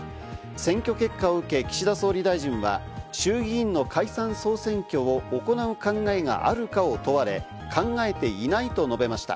選挙結果を受け、岸田総理大臣は衆議院の解散総選挙を行う考えがあるかを問われ、考えていないと述べました。